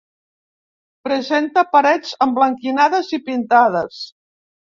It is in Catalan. Presenta parets emblanquinades i pintades.